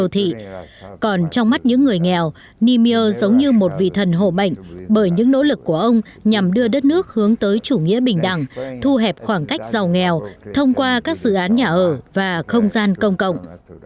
còn trong mắt những người nghèo niier giống như một vị thần hồ bệnh bởi những nỗ lực của ông nhằm đưa đất nước hướng tới chủ nghĩa bình đẳng thu hẹp khoảng cách giàu nghèo thông qua các dự án nhà ở và không gian công cộng